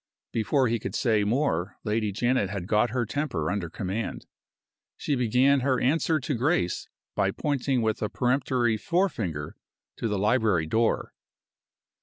Before he could say more Lady Janet had got her temper under command. She began her answer to Grace by pointing with a peremptory forefinger to the library door.